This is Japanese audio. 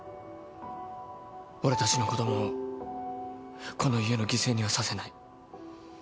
俺たちの子供をこの家の犠牲にはさせない。